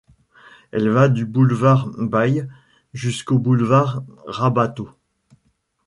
Elle va du boulevard Baille jusqu'au boulevard Rabatau.